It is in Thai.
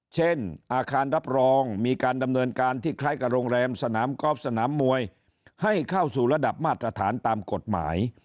เช่นอาคารรับรองมีการดำเนินการที่คล้ายกับโรงแรมสนามกอล์ฟสนามมวยให้เข้าสู่ระดับมาตรฐานตามกฎหมาย